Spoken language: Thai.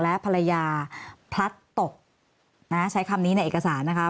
และภรรยาพลัดตกนะใช้คำนี้ในเอกสารนะคะ